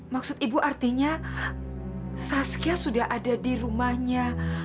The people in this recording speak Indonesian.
maksud ibu artinya saskia sudah ada di rumahnya